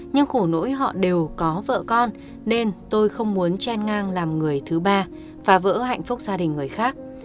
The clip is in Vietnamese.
nhưng khổ nỗi họ đều có vợ con nên tôi không muốn chen ngang làm người thứ ba phá vỡ hạnh phúc gia đình người khác